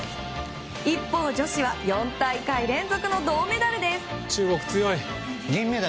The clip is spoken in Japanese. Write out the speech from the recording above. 一方、女子は４大会連続の銀メダルです。